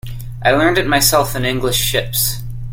I learned it myself in English ships.